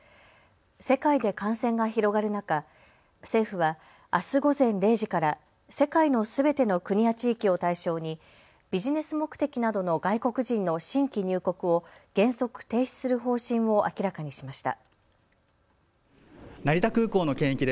世界で感染が広がる中、政府はあす午前０時から世界のすべての国や地域を対象にビジネス目的などの外国人の新規入国を原則、停止する方針を明らかにしました。